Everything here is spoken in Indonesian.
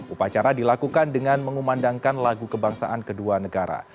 upacara dilakukan dengan mengumandangkan lagu kebangsaan kedua negara